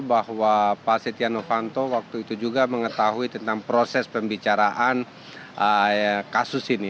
bahwa pak setia novanto waktu itu juga mengetahui tentang proses pembicaraan kasus ini